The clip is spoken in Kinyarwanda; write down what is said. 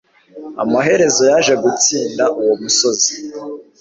Amaherezo yaje gutsinda uwo musozi